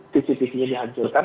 pc pc nya dihancurkan